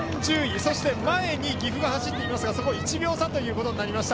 そして前に岐阜が走っていますが１秒差となりました。